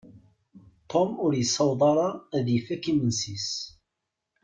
Tom ur yessaweḍ ara ad ifakk imensi-s.